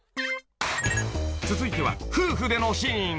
［続いては夫婦でのシーン］